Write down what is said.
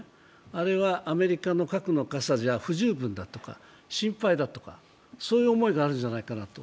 あれはアメリカの核の傘じゃ不十分だとか、心配だとか、そういう思いがあるんじゃないかなと。